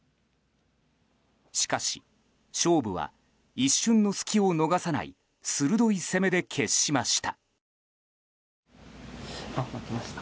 しかし勝負は一瞬の隙を逃さない鋭い攻めで決しました。